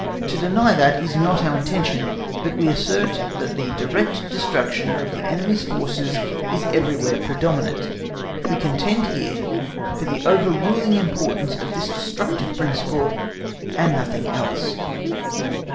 To deny that is not our intention, but we assert that the direct destruction of the enemy's forces is everywhere predominant; we contend here for the overruling importance of this destructive principle and nothing else.